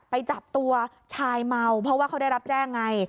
ไปจับตัวชายเมาเพราะว่าเขาได้รับแจ้งไง